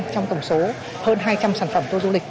trong tổng số hơn hai trăm linh sản phẩm tour du lịch